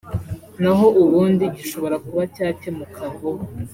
na ho ubundi gishobora kuba cyakemuka vuba